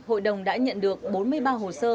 hội đồng đã nhận được bốn mươi ba hồ sơ